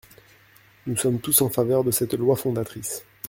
Nous sommes tous en faveur de cette loi fondatrice.